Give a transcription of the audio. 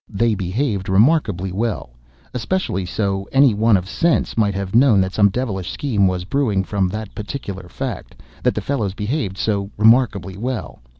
They behaved remarkably well—especially so—any one of sense might have known that some devilish scheme was brewing from that particular fact, that the fellows behaved so remarkably well.